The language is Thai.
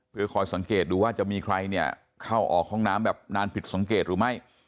เพื่อคอยสังเกตดูว่าจะมีใครเนี่ยเข้าออกห้องน้ำแบบนานผิดสังเกตหรือไม่